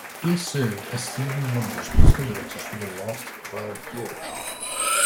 He has served as Stevie Wonder's musical director for the last twelve years.